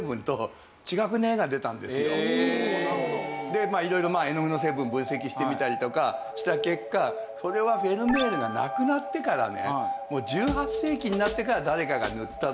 で色々絵の具の成分分析してみたりとかした結果これはフェルメールが亡くなってからね１８世紀になってから誰かが塗ったぞっていう事が。